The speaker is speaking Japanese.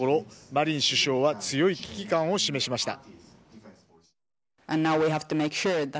マリン首相は強い危機感を示しました。